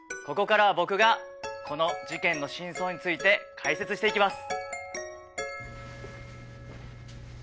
ここからは僕がこの事件の真相について解説していきます。